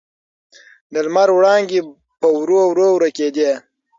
د لمر وړانګې په ورو ورو ورکېدې.